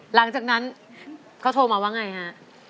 หลังจากนั้นเขาโทรมาว่าไงฮะ